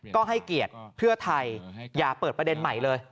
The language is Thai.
ก็ให้เกียรติเพื่อไทยอย่าเปิดประเด็นใหม่เลย